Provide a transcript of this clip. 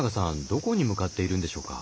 どこに向かっているんでしょうか？